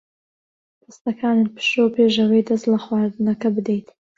دەستەکانت بشۆ پێش ئەوەی دەست لە خواردنەکە بدەیت.